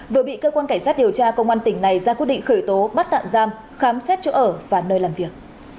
vừa bị cơ quan cảnh sát điều tra công an tỉnh này ra quyết định khởi tố bắt tạm giam khám xét chỗ ở và nơi làm việc